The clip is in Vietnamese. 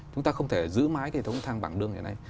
chúng ta không thể giữ mãi hệ thống tham vàng lương như thế này